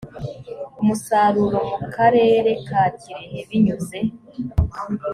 umusaruro mu karere ka kirehe binyuze